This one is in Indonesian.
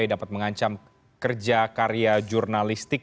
dapat mengancam kerja karya jurnalistik